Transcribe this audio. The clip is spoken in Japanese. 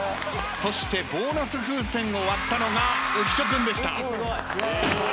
そしてボーナス風船を割ったのが浮所君でした。